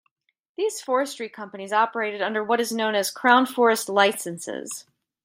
These forestry companies operated under what is known as Crown Forest Licences.